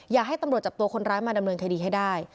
อยากให้ตำรวจจับตัวคนร้ายมาดำเนินคดีให้ได้